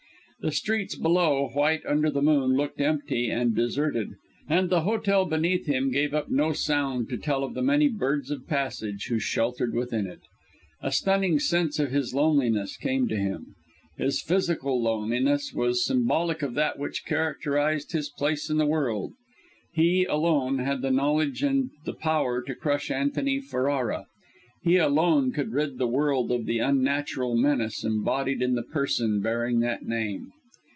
The streets below, white under the moon, looked empty and deserted, and the hotel beneath him gave up no sound to tell of the many birds of passage who sheltered within it. A stunning sense of his loneliness came to him; his physical loneliness was symbolic of that which characterised his place in the world. He, alone, had the knowledge and the power to crush Antony Ferrara. He, alone, could rid the world of the unnatural menace embodied in the person bearing that name.